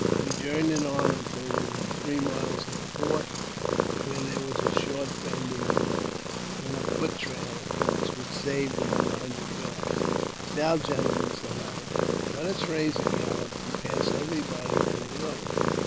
We journeyed on until within iree miles of the fort, where there was a short bend in the )ad, and a foot trail across, which saved about a hundred rds. .Now, gentlemen," said I, " let us raise a gallop, and }s everybody on the road."